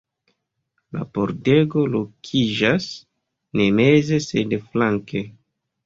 La pordego lokiĝas ne meze, sed flanke.